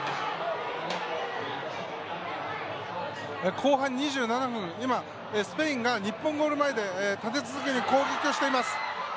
後半２７分、スペインが日本ゴール前で立て続けに攻撃をしています。